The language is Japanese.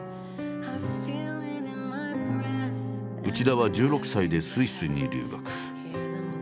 内田は１６歳でスイスに留学。